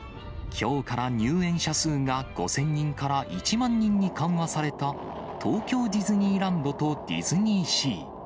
きょうから入園者数が５０００人から１万人に緩和された東京ディズニーランドとディズニーシー。